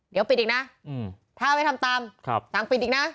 เดี๋ยวปิดอีกนะถ้าไม่ทำตามสั่งปิดอีกนะ